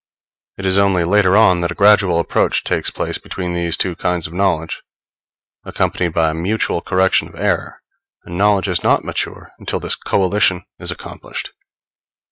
It is only later on that a gradual approach takes place between these two kinds of knowledge, accompanied by a mutual correction of error; and knowledge is not mature until this coalition is accomplished.